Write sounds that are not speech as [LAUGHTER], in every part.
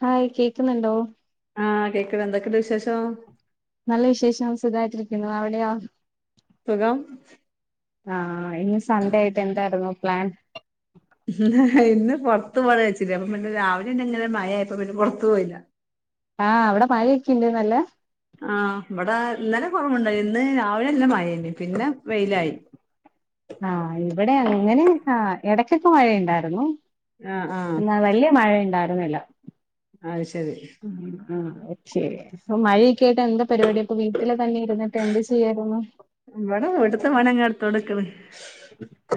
Hi കേക്ക്ന്ന്ണ്ടോ ആ കേക്ക്ണ്ട് എന്തൊക്കെണ്ട് വിശേഷം നല്ല വിശേഷം സുഖായിട്ടിരിക്കുന്നു അവിടെയോ സുഖം ആ ഇന്ന് സൺഡേ ആയിട്ട് എന്തായിരുന്നു പ്ലാൻ ഇന്ന് പൊർത്ത് പോണം ച്ചിനി അപ്പ പിന്നെ രാവിലെങ്ങനെ മഴായപ്പൊ പിന്നെ പൊർത്ത് പോയില്ല ആ അവടെ മഴൊക്കെണ്ട് നല്ലെ ആ ഇവടെ ഇന്നലെ കൊറവ്ണ്ടേയ്നി ഇന്ന് രാവിലെ നല്ല മയേനി പിന്നെ വെയിലായി ആ ഇവിടെ അങ്ങനെ ആ എടക്കൊക്കെ മഴണ്ടായിര്ന്നു ആഹ് ആഹ് ന്നാ വല്യ മഴ ണ്ടായിരുന്നില്ല അത് ശെരി ആ ഓകെ അപ്പൊ മഴയൊക്ക്യായിട്ട് എന്താ പരിപാടി അപ്പൊ വീട്ടില് തന്നെ ഇരുന്നിട്ട് എന്ത് ചെയ്യായിരുന്നു ഇവിടെ വീട്ട്ത്തെ പണിയങ്ങനെ എടുത്തോണ്ട്ക്ക്ണ്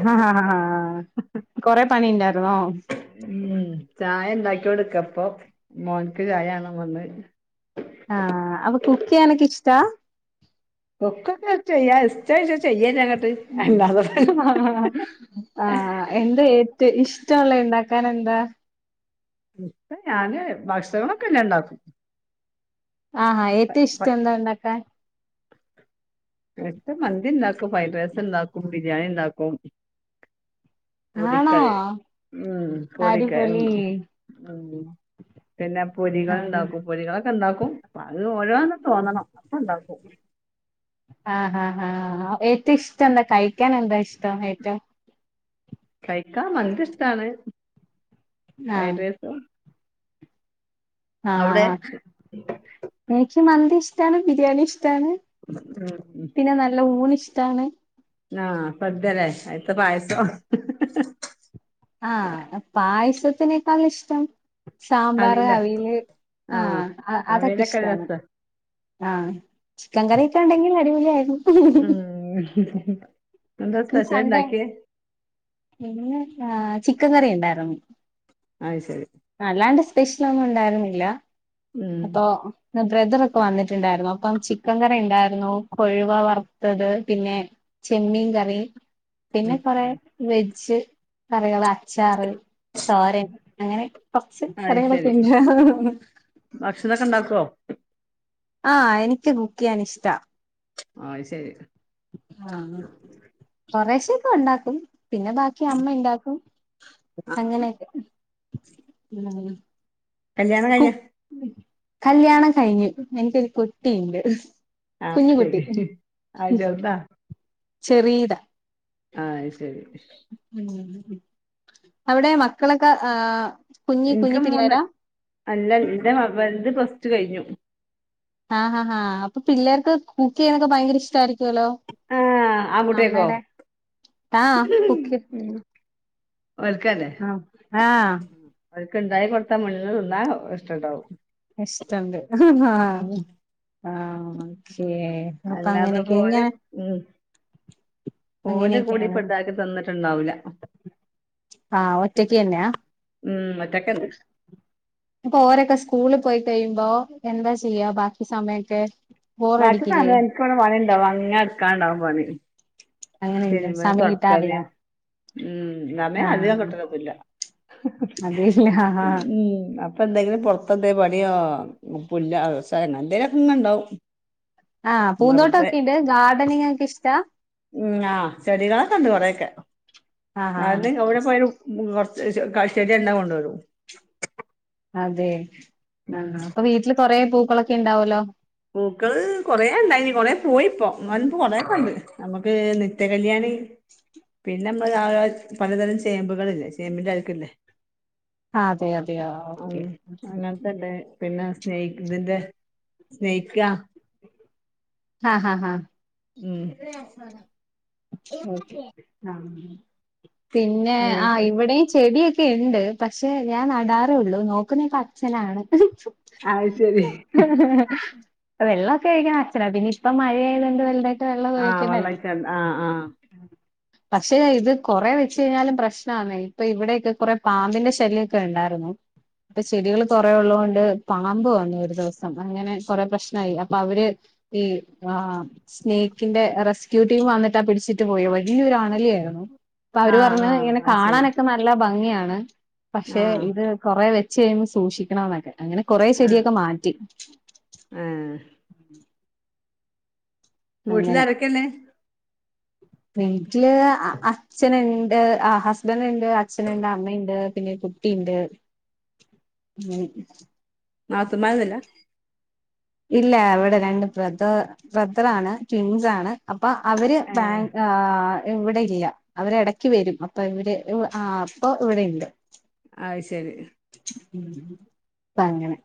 ആ കൊറെ പണി ണ്ടായിര്ന്നോ ഉം ചായ ണ്ടാക്ക്യോണ്ട്ക്ക അപ്പൊ മോൻക്ക് ചായാണ വന്ന് ആ അപ്പൊ കുക്ക് ചെയ്യാനൊക്കെ ഇഷ്ട കുക്കൊക്കെ ചെയ്യാ ഇഷ്ടോയ്ച്ച ചെയ്യന്നങ്ങട്ട് അല്ലാതെപ്പൊ ആ ആ എന്താ ഏറ്റ ഇഷ്ടോള്ളെ ണ്ടാക്കാനെന്താ ഇപ്പ ഞാന് ഭക്ഷണൊക്കെല്ലാണ്ടാക്കും ആഹാ ഏറ്റും ഇഷ്ടം എന്താ ണ്ടാക്കാൻ ഇഷ്ടം മന്തി ണ്ടാക്കും ഫൈ ഡ്രസ്ണ്ടാക്കും ബിരിയാണി ണ്ടാക്കും [UNINTELLIGIBLE] ആണോ അടിപൊളി പിന്നെ ആഹ് പൊരികള്ണ്ടാക്കും പൊരികളൊക്കെ ണ്ടാക്കും അത് ഓരോന്ന് തോന്നണം അപ്പണ്ടാക്കും ആ ഹ ഹ ഏറ്റും ഇഷ്ടെന്താ കഴിക്കാനെന്താ ഇഷ്ടം ഏറ്റവും കഴിക്കാൻ മന്ദിഷ്ടാണ് ആഹ് ഫൈഡ്രയ്സും ആ അവിടെ ആ എനിക്ക് മന്ദി ഇഷ്ടാണ് ബിരിയാണി ഇഷ്ടാണ് ഉം പിന്നെ നല്ല ഊണ്ഷ്ടാണ് ആ സദ്യലെ അയ്ത്തെ പായസം ആ പായസത്തിനേക്കാളിഷ്ടം സാമ്പാർ അവിയലോ അവീല് ആ ആഹ് അവിയലൊക്കെ നല്ല അതൊക്കെഷ്ടാണ് രസാ ആ ചിക്കൻ കറൊക്കെണ്ടെങ്കില് അടിപൊളിയായിര്ന്നു ഉം എന്താ ഇന്ന് സ്പെഷ്യൽ സൺഡേ ഉണ്ടാക്കിയേ പിന്നെ എ ചിക്കൻ കറി ണ്ടായിര്ന്നു അത് ശെരി അല്ലാണ്ട് സ്പെഷ്യലൊന്നും ഉണ്ടായിരുന്നില്ല. ഉം അപ്പൊ.. ന്ന് ബ്രദറൊക്കെ വന്നിട്ടുണ്ടായിരുന്നുഅപ്പം ചിക്കൻ കറിണ്ടായിരുന്നു, കൊഴുവ വറുത്തത് പിന്നെ.. ചെമ്മീൻ കറി പിന്നെ ഉം കൊറെ വെജ് കറികള ച്ചാറ് തോരൻ അങ്ങനെ കൊറച്ച് അത് ശരി കറികളൊക്കെ ൻ ഹ് ഹ് ഹ് ഭക്ഷണൊക്കെ ഉണ്ടാക്കുവോ ആഹ് എനിക്ക് കുക്കിയ്യാനിഇഷ്ട ആയ് ശരി ആഹ കൊറേശൊക്കൊണ്ടാക്കും പിന്നെ ബാക്കി അമ്മ ഇണ്ടാക്കും ആഹ് അങ്ങനെക്കെ ഇന്നാലും കല്യാണം കഴിഞ്ഞ ഉം കല്യാണം കഴിഞ്. എനിക്കൊരു കുട്ടീണ്ട് ആഅത് ശരി ഹ് ഹ് ആ [UNINTELLIGIBLE] ചെറീത ആ ആഹ് ശരി [UNINTELLIGIBLE] അവിടെ മക്കളൊക്കെ ആ കുഞ്ഞി എനിക്ക് കുഞ്ഞി മൂന്ന് പിള്ളേരാ അല്ല എന്റെ മ വൽത് പ്ലസ് റ്റു കഴിഞ്ഞു ആഹ് ഹാ ഹാ അപ്പൊ പിള്ളേർക്ക് കുക്ക് ചെയ്യുന്നൊക്കെ ഭയങ്കര ഇഷ്ട ആയിരിക്കുവല്ലോ ആ ആൺകുട്ടികക്കോ നമ്മെടെ താഹ് കുക്കി ഓൽക്കല്ലേ അ ആഹ് ഓല്ക്ക്ണ്ടായി കൊടുത്ത മുണ്ണ് ത് ന്നാ ഇഷ്ടണ്ടാവും ഇഷ്ടണ്ട്ഹ് ഹ് ഹാ ആ ആഹ നൊണച്യേ അല്ലാതെ പോലെ ഉം പോലെ കൂടി അങ്ങനെയൊക്കെയാണ് പ്പോതാക്കി തന്നിട്ട് ട്ട്ണ്ടാവുല്ല ആഹ് ഒറ്റക്ക് ന്നെയാ ഉം ഒറ്റക്കന്നെ അപ്പൊ ഓരൊക്കെ സ്കൂളി പോയി കയിയുമ്പോ എന്താ ചെയ്യാ ബാക്കി സമയൊക്കെ ബാക്കി ബോറടിക്കില്ലേ സമയം എനിക്കിവിടെ പണിണ്ടാവും അങ്ങനെടുക്കാൻ ണ്ടാവും പണി അങ്ങനെയില്ല തിര്മ്പല് സമയം തൊടക്കല് കിട്ടാറില്ല ഊമ് സമയം അധികം കിട്ടലൊന്നുല്ല അതെ ഇല്ലഹ് ഹ ഹാ പ്പ ന്തെങ്കിലും പൊറത്തെന്തേ പണിയോ പുല്ല് [UNINTELLIGIBLE] എന്തെലൊക്കെങ്ങണ്ടാവും ആഹ് പൂന്തോട്ടൊക്കെ ഉണ്ട്. ഗാർഡനിങ് ഒക്കെ ഇഷ്ടാ ഉം ആ ചെടികളൊക്കെ ഉണ്ട് കൊറെക്കെ. ആഹ് അത് ആഹ് ഏവിടെ പോയാലും കുറച്ച് [UNINTELLIGIBLE] ചെടി കണ്ടാ കൊണ്ടോരൂം അതെ ഉം ആഹ്ആ പ്പൊ വീട്ടില് കൊറേ പൂക്കളൊക്കെ ഉണ്ടാവലോ പൂക്കള് കൊറേ ഉണ്ടായിനി കൊറെ പോയി പ്പോ ഇന്നാല് പ്പോ കൊറെേക്കെ ഉണ്ട് നമുക്ക് നിത്യ കല്യാണി പിന്നെ നമ്മള് അഹ് അഹ് പലതരം ചേമ്പുകളില്ലേ ചേമ്പിന്റെ മാതിരി ക്കില്ലേ അതെ അതെയോ ഓക്കെ ഇത്ണ്ട് പിന്നെ സ്നേഹിക്ക്തിന്റെ സ്നേഹിക്ക ആഹ് ഹ ഹഹ ഉം ഒക്കെ ആം പിന്നെ ആ അങ്ങനത്തെ ഇവിടെയും ചെടി ക്കെ ഉണ്ട് പക്ഷെ ഞാൻ നടാറേള്ളു നോക്കുന്നെക്കെ അച്ഛനാണ് ഹ് അത് ശരി ഹ് ഹ് വെള്ളൊക്കെ ഒഴിക്ക്ന്ന അച്ഛനാ പിന്നെ ഇപ്പം മഴായതൊണ്ട് വെള്ള ആഹ് വെള്ളയി ചാണ്ട ണ്ട് ആ ആഹ് ഉം പക്ഷേ ഇത് കൊറെ വെച്ച് കഴിഞ്ഞാലും പ്രശ്നാന്നെ ഇപ്പൊ ഇവിടെക്കെ കുറെ പാമ്പിന്റെ ശല്യലൊക്കെ ഉണ്ടായിരുന്നു പ്പൊ ചെടികള് കൊറേ ഉള്ളോണ്ട് പാമ്പ് വന്നു ഒരു ദിവസം അങ്ങനെ കൊറെ പ്രശ്നായി അപ്പൊ അവര് ഈ ആ സ്നേക്കിന്റെ റെസ്ക്യൂ ടീം വന്നി ട്ട പിടിച്ചിട്ട് പോയെ വലിയൊരു അണലിയായിരുന്നു അപ്പൊ അവര് ആഹ് പറഞ്ഞ് ആഹ് ഇങ്ങനെ അത് ശരി കാണാനൊക്കെ ന ല്ല ഭംഗിയാണ് പക്ഷെ ആഹ് ഇത് കൊറ വെച്ച് കഴിയുമ്പോ സൂക്ഷിക്കണം എന്നൊക്കെ അങ്ങനെ കൊറെ ആഹ് ചെടിയൊക്കെ മാറ്റി ആഹ് വീട്ടില് അങ്ങനെ അരൊക്കെല്ലേ വീട്ടില് അ അച്ഛനണ്ട് ആ ഹസ്ബൻഡ് ഇ ണ്ട് അച്ഛനിണ്ട് അമ്മയിണ്ട് പിന്നെ കുട്ടിയിണ്ട് അങ്ങനെ നാത്തൂന്മാരൊന്നും ഇല്ല ഇല്ല ഇവിടെ രണ്ട് ബ്രദ ബ്രദറാണ് ട്വിൻസാണ് അപ്പൊ അവര് ഏ ബാങ് അഹ് ഇവിടെ ഇല്ല അവര് എടക്ക് വരും അപ്പൊ ഇവര് ആ അപ്പൊ ഇവിടെ ഇണ്ട് അഹ് ശരി മ് ഇപ്പ അങ്ങനെ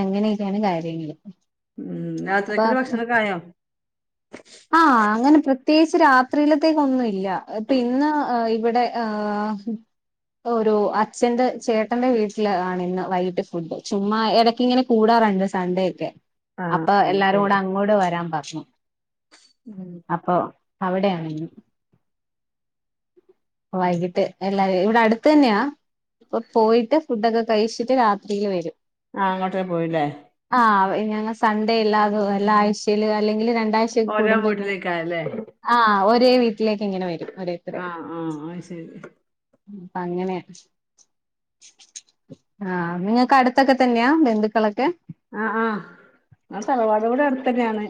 അങ്ങനെയൊക്കാണ് കാര്യങ്ങള് ഉം അപ്പൊ രാത്രിയെക്കുള്ള ഭക്ഷണൊക്കെ ആയോ ആഹ് അങ്ങനെ പ്രത്യേകിച്ച് രാത്രിയിലത്തേക്ക് ഒന്നും ഇല്ല ഇപ്പൊ ഇന്ന് ഇവിടെ ആഹ് ഒരു അച്ഛന്റെ ചേട്ടന്റെ വീട്ടില് ആണ് ഇന്ന് വൈിട്ട് ഫുഡ് ചുമ്മാ ഇടക്ക് ഇങ്ങനെ കൂടാറുണ്ട് സൺഡേ ഒക്കെ ആഹ് അപ്പൊ അത് എല്ലാരും ശരി കൂടെ അങ്ങോട്ട് വരാൻ പറഞ്ഞു ഉം അപ്പോ അവിടെയാണ് ഇന്ന് വൈകിട്ട് എല്ലാരും ഇവിടെ അടുത്ത് തന്നെയാ ഇപ്പൊ പോയിട്ട് ഫുഡൊക്കെ കഴിച്ചിട്ട് രാത്രിയില് വരും ആഹ് അങ്ങോട്ട് പോയില്ലേ ആഹ് ഞങ്ങൾ സൺഡേ ഇല്ലാതും എല്ലാ ആഴ്ചയിലും അല്ലെങ്കിൽ രണ്ടാഴ്ച ത് ഓരോ കൂടുമ്പോ ഇങ്ങനെ വീട്ടിലേക്കായല്ലേ ആ ഒരേ വീട്ടിലേക്ക് ഇങ്ങനെ വരും ഒരേ ആഹ് ആഹ് അയ് ശരി മ് പ്പ അങ്ങനനെയ ആഹ് നിങ്ങക്ക് അടുത്തൊക്കെ തന്നെയാ ബന്ധുക്കളൊക്കെ? ആഹ് ആഹ് ഞങ്ങ സ്ഥലവാട് ഇവിടെ അടുത്തൊക്കെയാണ്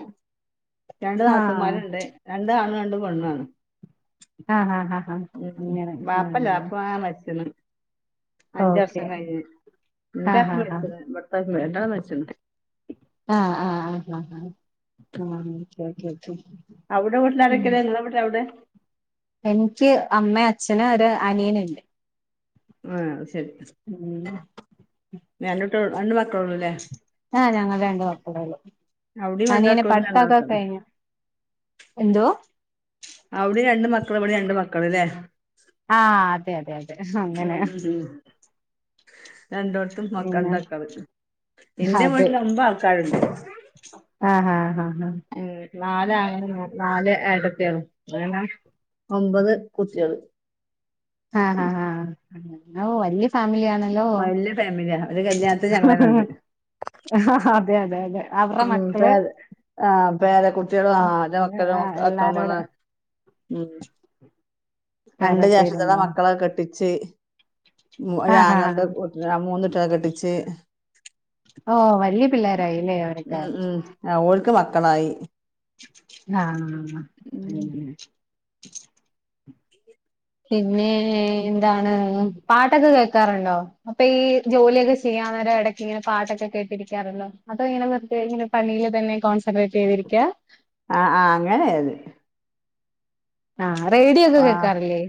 രണ്ട് ആഹ് നാത്തൂന്മാരുണ്ട് രണ്ട് ആണ് രണ്ട് പെണ് ആണ് ആഹ് ആഹ് ആഹ് ആഹ് ഉ അങ്ങനെ ബാപ്പല്ല അപ്പ ആഹ് ആ മരിച്ചെന്നു ഓക്കെ അഞ്ചർഷം കഴിഞ്ഞ് [UNINTELLIGIBLE] ആഹ് ആഹ് ആഹ് ആഹ് ആഹ് ആഹ് ആഹ് ആഹ് [UNINTELLIGIBLE] അവിടെ വീട്ടില ആരൊക്കല്ല നിങ്ങടെ വീട്ട അവിടെ എനിക്ക് അമ്മേം അച്ഛനും ഒരു അനിയനുണ്ട് ആഹ് അയ് ശരി ഉം ണ്ടിട്ട് രണ്ട് മ ആഹ് ഞങ്ങള് രണ്ട് മക്കളെള്ളു അവിടിം രണ്ട് അനിയന് മക്കളും ഇബടിം രണ്ട് പടുത്തോക്കെ മക്കള് കഴിഞ്ഞു എന്തോ അവിടെയും രണ്ട് മക്കള് എവിടെയും രണ്ട് മക്കള് അല്ലേ ആഹ് അതെ അതെ അതെ ഉം അങ്ങനെ ഉം ഉം രണ്ടോടത്തും പിന്നെ മക്കാളരണ്ടാക്കള് എന്റെ വീട്ടിൽ ഒമ്പ ആൾക്കാരുണ്ട് ആഹ ഹാഹ ഉ നാല് ആണ് നാല് ഏട്ടത്തികള് ഒരെണ്ണം ഒമ്പത് കുട്യോള് ആഹ് ഹഹാ വലിയ ഫാമിലിയാണ് ഹലോ വല്യ ഫാമിലിയാ ഒരു കല്യാണത്തിന് ഞങ്ങളന്നെ ഉണ്ട് അതെ അതെ അതെ അവടെ ഉം മക്കള് പേര ആഹ് പേരെ കുട്ടിയളും ആഹ ആഹ് മക്ക അക്ക മന എല്ലാരോടെ ഉ എന്റെ വേറെ ജെദ്ട്ടത്തിന്റെ പേരുണ്ടോ മക്കളേ ഒക്ക കെട്ടിച്ചു മു ആഹ് ആഹ് അങള മൂന്ന്കുട്ടിയാള കെട്ടിച്ച് ഓ വലിയ പിള്ളോരായില്ലേ അവരോക്കാ ആ ഓൾക്ക് മക്കളായി ആഹ ഉം അതെ പിന്നെ എന്താണ് പാട്ടൊക്കെ കേൾക്കാറുണ്ടോ അപ്പൊ ഈ ജോലിയൊക്കെ ചെയ്യാൻര ഇടക്ക് ഇങ്ങനെ പാട്ടൊക്കെ കേട്ടിരിക്കാരുണ്ടോ അതോ ഇങ്ങനെ വെറുതെ ഇങ്ങെ പണിയി തന്നെ കോൺസെട്രേറ്റ് ചെയ്തിരിക്കുക ആ ആ് അങ്ങനെ അത് ആഹ് റേഡിയോ ഒക്കെ ആഹ് കേൾക്കാറില്ലേ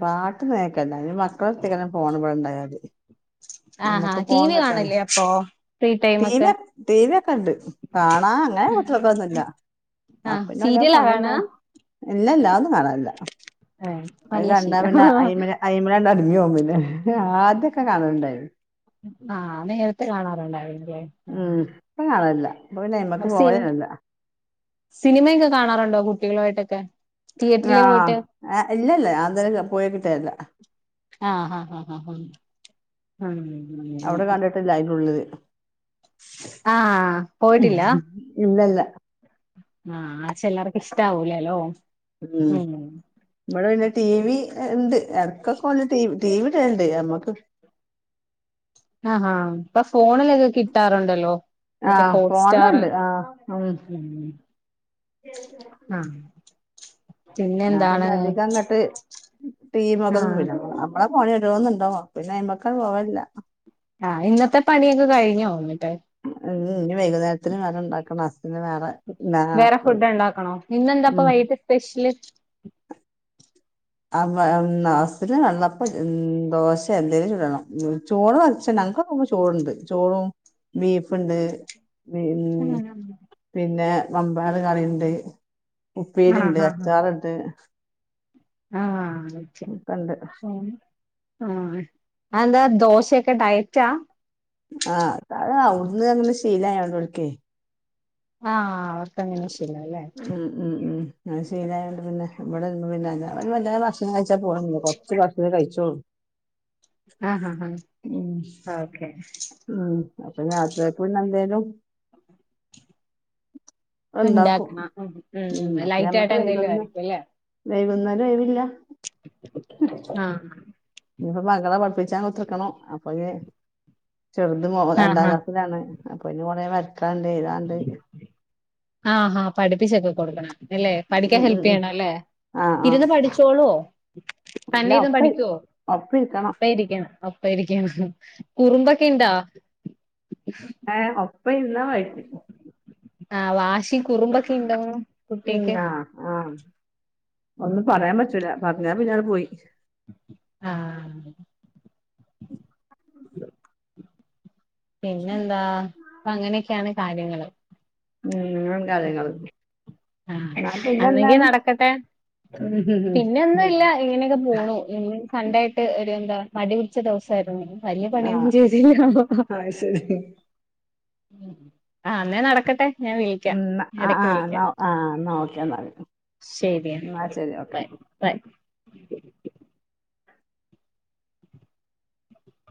പാട്ടൊന്നും കേക്കാലില്ല അതിന് മക്കളെടുത്തായിക്കാരം പോണ ഇടെണ്ടായല് ആഹാ നമ്മുക്ക് ടി പോവാൻ വി കിട്ടണ്ടേ കാണല്ലേ അപ്പൊ? ഫ്രീ ടൈം ഒക്കെ തീവി തീവിയോക്കെ ഇണ്ട് കാണാ അങനെ പുട്ടി യൊക്കോനുള്ള ആഹ് അപ്പന്ന ഒര സീരിയലാ പണില്ല കാണാ? ഇല്ല ഇല്ല ഒന്നും കാണാനില്ല ഏഹ് അത് നല്ല കണ്ടാ ശീലം പിന്നെ ആയിമല ആയിമലാഗ അടിഞ്ഞു പോക പിന്നെ ആദ്യൊക്കെ കാണുണ്ടായിരുന്നു ആഹ നേരത്തെ കാണാറുണ്ടായിന്നല്ലേ ഉം ഇപ്പ കാണല്ല ഇ പ്പൊ പിന്നെ ആയിമക്ക സി പോവല്ലാന്ന ഇല്ല സിനിമയൊക്കെ കാണാറുണ്ടോ കുട്ടികളു ആട്ടൊക്കെ ആ ഇല്ലല്ല അന്തര പോയിക്കിട്ടേല്ല ആഹ് ആഹ് ആഹ്ഹ് ഹ ട്ടുള്ളത് ആഹ് ഇല്ലല്ല ആഹ ചിലർക്ക ഇഷ്ട ആവൂലലോ ഉം ഇവിടെ പിന്നെ ടീവി ഉണ്ട് ഇടക്കൊക്ക ടീവി ഒള്ളു നമ്മക്ക് ആ ഹാ ഇപ്പൊ ഫോണിലൊക്കെ കിട്ടാറുണ്ടല്ലോ മറ്റേ ആഹ് ഹോട്ട്സ്റ്റാർ ഫോണിലുണ്ട് ആഹ് ഉം ആഹ ആ പിന്നെ അധികം അങ്ങട്ട് ടീക്കൊന്നും ആഹ് പോൾവലില്ല നമ്മള ഫോണിൽ ഓരോന്ന്‌ ഇൻഡോ നോകും പിന്നെ അയിമക്ക് അങ്ങട്ട് പോവലില്ല ആഹ ഇന്നത്തെ പണിയൊക്കെ കഴിഞ്ഞോ എ ന്നിട്ട് ഉ ഇനി വൈകുന്നേരത്തിന് വേറെ ഉണ്ടാക്കണം ഹസ്സിന് വേറെ ന്നാ വേറെ ഫുഡ് ഉണ്ടാക്കണോ ഇന്നെന്താപ്പൊ ഉം വൈകിട്ട് സ്പെഷ്യല് ഹുസ്ബൻഡ് വെള്ളപ്പ ദോശ എന്തെലും ചൂടണം ചോർ വച്ചക്കണ് ഞങ്ങക്ക് ഇപ്പൊ ചോറ്ണ്ട് ചോറും ബീഫുണ്ട് മം പിന്നെ മമ്പയർ കറിയുണ്ട് ഉപ്പേരി ഉണ്ട് ആഹ് അച്ചാറുണ്ട് ആഹ ഒക്കെ ഒക്കെണ്ട് ആ എന്താ ദോശയൊക്കെ ഡയറ്റാ ആഹ് അത് അവിടുന്ന് അങ്ങനെ ശീലായോണ്ട് ഓൾക്ക് ആഹ അവർക്ക് അങ്ങനെ ശീലം അല്ലേ ഉം ഉം ഉം അങ്ങനെ ശീലായതോണ്ട് പിന്നെ ഇവിടെ പിന്നെ വല്ലാതെ ഭക്ഷണം ഭക്ഷണം കഴിച്ചാ പോകാൻ കുറച്ച് കഴിചോള്ളു ആഹ് ആഹ് ഉം ആഹ് ഓക്കെ ഉം അപ്പൊ പിന്നെ രാത്രിക്കക്ക് എന്തേലും ഉണ്ടാക്കും ഉണ്ടാക്കണം ഉം അപ്പൊ ലൈറ്റ് ഞമ്മക്ക് ആയിട്ട് വൈകും എന്തെലും ന്ന് ആയിരിക്കും അല്ലേ വൈകുന്നേരം ഒഴിവ് ഇല്ല ആഹ ഇനിയിപ്പോ മകളെ പഠിപ്പിച്ചാൻ കുത്തർക്കണം അപ്പൊ ഇനി ചെറുത് ആഹ് രണ്ടാം ഹാ ക്ലാസ്സിലാണ് അപ്പൊ ഇനി കൊറേ വരക്കാണ്ട് എഴുതാണ്ട് ആഹാ പഠിപ്പിച്ചൊക്കെ കൊടുക്കണം അല്ലെ പഠിക്കാൻ ഉം ഉം ഹെല്പ് ഉം ചെയ്യണം അല്ലേ ആഹ് ആഹ് ഇരുന്ന് പഠിച്ചോളോ തന്നെ ഇല്ല ഇരുന്നു ഒപ്പം ഇരി പഠിക്കുവോ ഒപ്പം ഇരിക്കണം ഒപ്പം ഇരിക്കണോ ഒപ്പം ഇരിക്കു കുറുമ്പൊക്കിണ്ടോ ഏ ഒപ്പം ഇരുന്നാൽ മതി ആ വാശി കുറുമ്പൊക്കെ ഉണ്ടോന്നു ഉം കുട്ടികൾക്ക് ആഹ് ആഹ് ഒന്നും പറയാൻ പറ്റൂല പറഞ്ഞാ പിന്നെ അങ്ങട്ട് പോയി ആഹ്‌. പിന്നെന്താ അപ്പൊ അങ്ങനെയൊക്കെയാണ് കാര്യങ്ങള് ഉം അങ്ങനേ ആണ് കാര്യങ്ങള് ആ എന്നാ അല്ലെങ്കിൽ പിന്നെന്താണ് നടക്കട്ടെ പിന്നെന്നുല്ല ഇങ്ങനെയൊക്കെ പോണു ഇന്ന് സൺ‌ഡേ ആയിട്ട് ഒരു എന്താ മടി പിടിച്ച ദിവസയിരുന്നു വലിയ പണിയൊന്നും ചെയ്തില്ല അയി ശരി ഉ ആ എന്നാ നടക്കട്ടെ ഞാൻ ഉ വിളിക്കാം ആ എടക്ക് വിളിക്കാം ആ ആ എന്നാ ഒക്കെ എന്നാൽ ശരി ബൈ ബൈ